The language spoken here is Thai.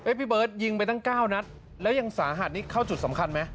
เอ่ยเพดยิงไปตั้งก้าวนะเรายังสาหัสนี้เข้าจุดสำคัญมั้ย